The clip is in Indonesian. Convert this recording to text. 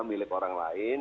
milik orang lain